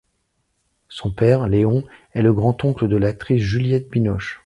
Son père, Léon, est le grand-oncle de l'actrice Juliette Binoche.